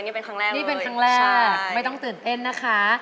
นี่เป็นครั้งแรกนี่เป็นครั้งแรกไม่ต้องตื่นเต้นนะคะ